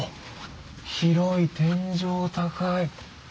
広い天井高い。